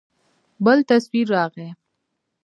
بل تصوير راغى.